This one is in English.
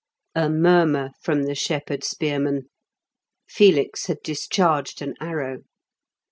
A murmur from the shepherd spearmen. Felix had discharged an arrow.